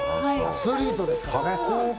アスリートですからね。